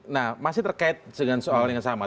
nah masih terkait dengan soal yang sama